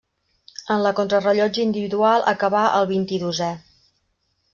En la contrarellotge individual acabà el vint-i-dosè.